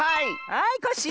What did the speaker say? はいコッシー！